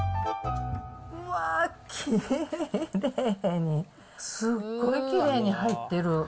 うわー、きれい、すごいきれいに入ってる。